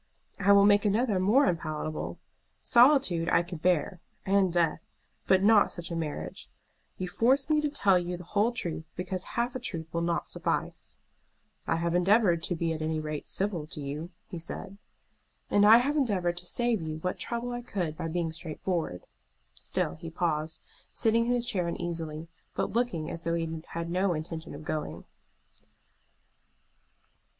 "I will make another more unpalatable. Solitude I could bear, and death, but not such a marriage. You force me to tell you the whole truth because half a truth will not suffice." "I have endeavored to be at any rate civil to you," he said. "And I have endeavored to save you what trouble I could by being straightforward." Still he paused, sitting in his chair uneasily, but looking as though he had no intention of going.